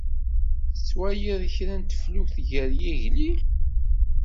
Tettwaliḍ kra n teflukt ɣer yigli?